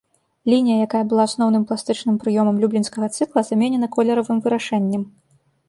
Лінія, якая была асноўным пластычным прыёмам люблінскага цыкла, заменена колеравым вырашэннем.